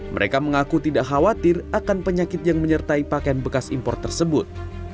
mereka mengaku tidak khawatir akan penyakit yang menyertai pakaian bekas impor tersebut